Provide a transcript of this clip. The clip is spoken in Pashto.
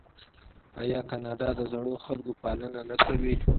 آیا کاناډا د زړو خلکو پالنه نه کوي؟